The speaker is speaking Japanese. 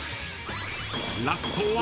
［ラストは］